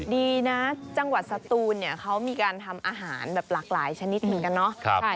ดีนะจังหวัดสตูนเนี่ยเขามีการทำอาหารแบบหลากหลายชนิดเหมือนกันเนาะ